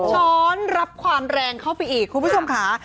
้อนรับความแรงเข้าไปอีกคุณผู้ชมค่ะ